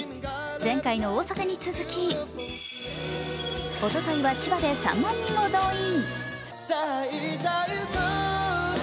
前回の大阪に続き、おとといは千葉で３万人を動員。